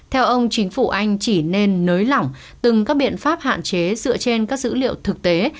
theo ông chính phủ anh chỉ nên nới lỏng từng các biện pháp hạn chế dựa trên các dữ liệu thực tế